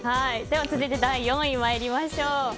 では続いて第４位まいりましょう。